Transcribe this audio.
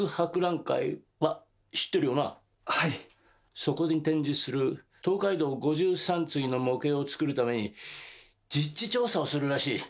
そこに展示する東海道五十三次の模型を作るために実地調査をするらしい。